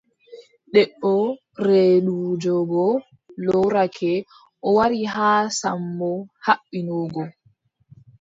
Debbo reeduujo go loorake, o wari haa Sammbo haɓɓino go.